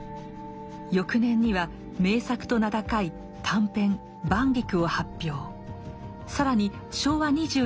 翌年には名作と名高い短編「晩菊」を発表。